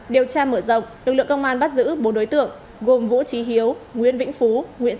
điều tra mở rộng lực lượng công an bắt giữ bốn đối tượng gồm vũ trí hiếu nguyễn vĩnh phú nguyễn